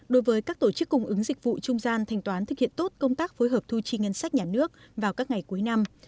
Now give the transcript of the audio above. đối với các tổ chức cung ứng dịch vụ trung gian thanh toán thực hiện tốt công tác phối hợp thu chi ngân sách nhà nước vào các ngày cuối năm